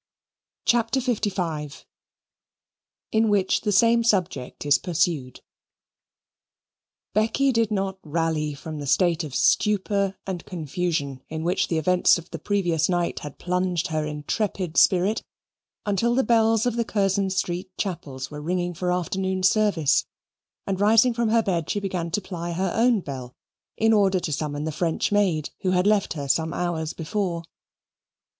CHAPTER LV In Which the Same Subject is Pursued Becky did not rally from the state of stupor and confusion in which the events of the previous night had plunged her intrepid spirit until the bells of the Curzon Street Chapels were ringing for afternoon service, and rising from her bed she began to ply her own bell, in order to summon the French maid who had left her some hours before.